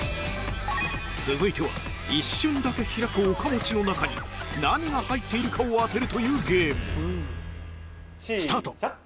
続いては一瞬だけ開く岡持ちの中に何が入っているかを当てるというゲームスタート！